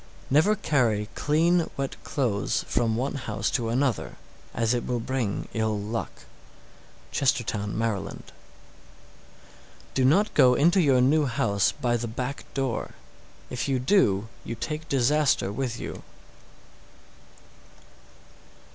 _ 701. Never carry clean wet clothes from one house to another, as it will bring ill luck. Chestertown, Md. 702. Do not go into your new house by the back door; if you do you take disaster with you.